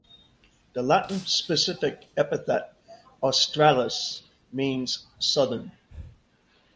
The Latin specific epithet "australis" means "southern".